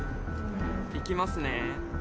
行きますね。